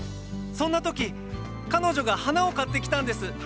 そんな時彼女が花を買ってきたんです！